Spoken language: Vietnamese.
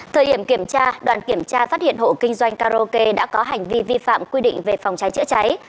từ điểm kiểm tra đoàn kiểm tra phát hiện hộ kinh doanh karaoke đã có hành vi vi phạm quy định về phòng trái chữa trái